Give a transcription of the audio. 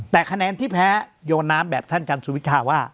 แต่คะแนนที่แพ้โยนน้ำแบบท่านกันสุวิทาว่า